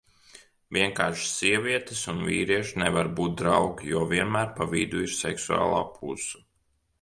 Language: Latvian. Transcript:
Vienkārši sievietes un vīrieši nevar būt draugi, jo vienmēr pa vidu ir seksuālā puse.